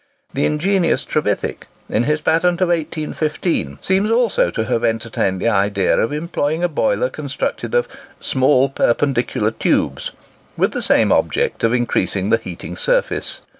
The ingenious Trevithick, in his patent of 1815, seems also to have entertained the idea of employing a boiler constructed of "small perpendicular tubes," with the same object of increasing the heating surface.